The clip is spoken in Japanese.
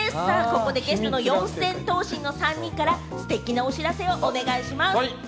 ここでゲストの四千頭身の３人からステキなお知らせをお願いします。